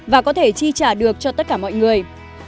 và có thể chi trả được cho tất cả mọi người